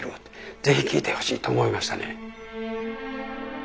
ぜひ聴いてほしいと思いましたね。